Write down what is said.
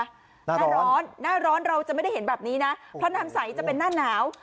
หน้าร้อนหน้าร้อนเราจะไม่ได้เห็นแบบนี้นะเพราะน้ำใสจะเป็นหน้าหนาว